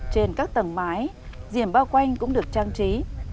trên các tầng mái diểm bao quanh cũng được trang trí